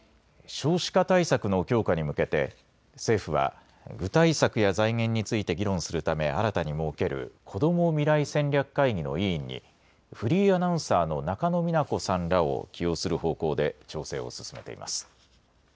少子化対策の強化に向けて政府は具体策や財源について議論するため新たに設けるこども未来戦略会議の委員にフリーアナウンサーの中野美奈子さんらを起用する方向で調整を進めています。